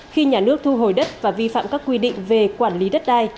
khi nhà nước thu hồi đất và vi phạm các quy định về quản lý đất đai